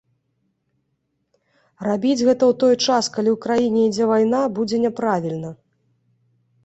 Рабіць гэта ў той час, калі ў краіне ідзе вайна, будзе няправільна.